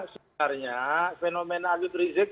sebenarnya fenomena habib rizik